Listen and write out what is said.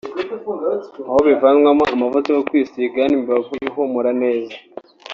aho bivanwamo amavuta yo kwisiga n’imibavu ihumura neza